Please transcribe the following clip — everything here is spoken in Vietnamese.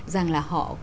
rằng là họ